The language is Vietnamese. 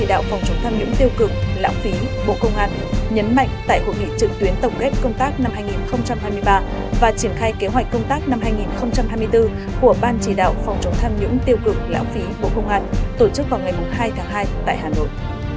lãng phí bộ công an nhấn mạnh tại hội nghị trực tuyến tổng kết công tác năm hai nghìn hai mươi ba và triển khai kế hoạch công tác năm hai nghìn hai mươi bốn của ban chỉ đạo phòng chống tham nhũng tiêu cực lãng phí bộ công an tổ chức vào ngày hai tháng hai tại hà nội